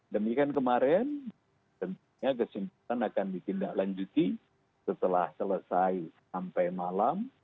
demikian kemarin tentunya kesimpulan akan ditindaklanjuti setelah selesai sampai malam